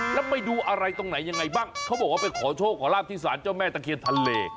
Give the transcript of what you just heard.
แล้วไปดูอะไรตรงไหนยังไงบ้างเขาบอกว่าไปขอโชคขอลาบที่สารเจ้าแม่ตะเคียนทะเล